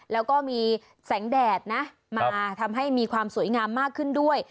แล้วก็มีแสงแดดนะมาทำให้มีความสวยงามมากขึ้นด้วย